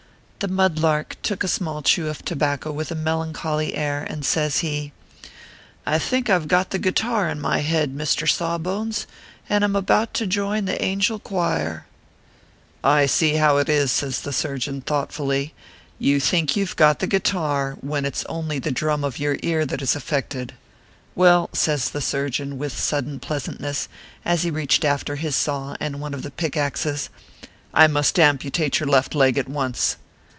The mud lark took a small chew of tobacco with a melancholy air, and says he :" I think I ve got the guitar in my head, Mr. Saw bones, and am about to join the angel choir/ "I see how it is/ says the surgeon, thoughtfully ;" you think you ve got the guitar, when it s only the drum of your ear that is affected. Well," says the surgeon, with sudden pleasantness, as he reached after his saw and one of the pick axes, " I must amputate your left leg at once."